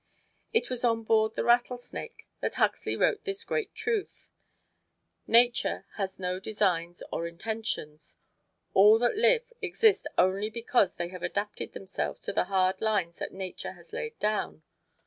It was on board the "Rattlesnake" that Huxley wrote this great truth: "Nature has no designs or intentions. All that live exist only because they have adapted themselves to the hard lines that Nature has laid down.